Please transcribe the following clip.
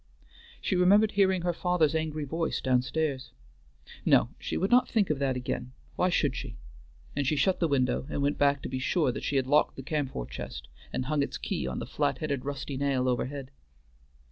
She remembered hearing her father's angry voice down stairs. No! she would not think of that again, why should she? and she shut the window and went back to be sure that she had locked the camphor chest, and hung its key on the flat headed rusty nail overhead.